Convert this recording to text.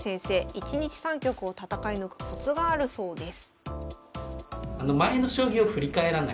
一日３局を戦い抜くコツがあるそうです。